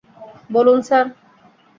বলুন, স্যার!